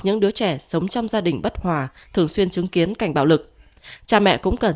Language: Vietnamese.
những đứa trẻ sống trong gia đình bất hòa thường xuyên chứng kiến cảnh bạo lực cha mẹ cũng cần